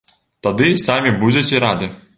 Тады самі будзеце рады.